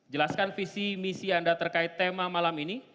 jelaskan visi misi anda terkait tema malam ini